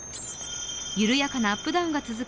緩やかなアップダウンが続く